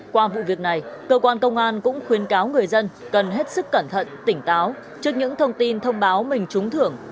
qua vụ việc này cơ quan công an cũng khuyến cáo người dân cần hết sức cẩn thận tỉnh táo trước những thông tin thông báo mình trúng thưởng